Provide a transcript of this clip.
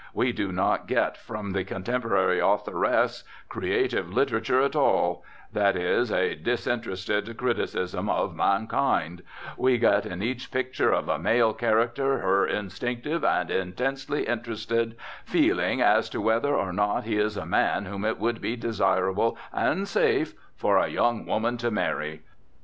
We do not get from the contemporary authoress creative literature at all; that is, a disinterested criticism of mankind; we get in each picture of a male character her instinctive, and intensely interested, feeling as to whether or not he is a man whom it would be desirable, and safe, for a young woman to marry.